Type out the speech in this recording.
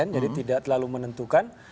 jadi tidak terlalu menentukan